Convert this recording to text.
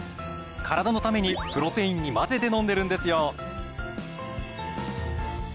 カラダのためにプロテインに混ぜて飲んでるんですよ。